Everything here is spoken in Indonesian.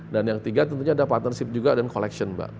dan yang tiga tentunya ada partnership juga dan collection mbak